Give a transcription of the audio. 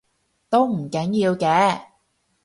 都唔緊要嘅